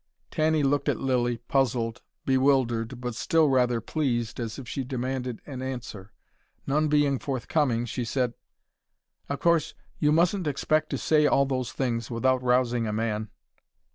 Tanny looked at Lilly, puzzled, bewildered, but still rather pleased, as if she demanded an answer. None being forthcoming, she said: "Of course, you mustn't expect to say all those things without rousing a man."